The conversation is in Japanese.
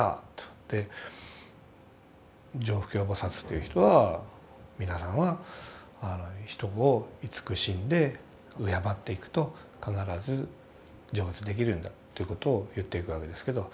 常不軽菩薩という人は皆さんは人を慈しんで敬っていくと必ず成仏できるんだということを言っていくわけですけど。